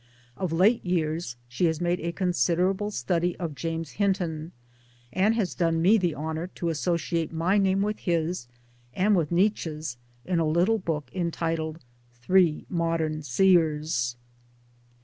Of late years she has made a considerable study of James Hinton, and has done me the honour to associate my name with his and with Nietzsche's in a little book entitled Three Modern Se, ers.